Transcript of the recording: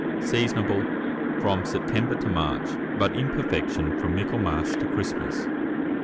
Seasonable from September to March; but in perfection from Michaelmas to Christmas.